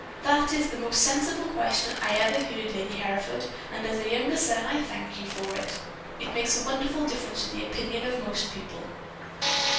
"'That is the most sensible question I ever heard, Lady Hereford, and as a younger son I thank you for it. It makes a wonderful difference in the opinion of most people.'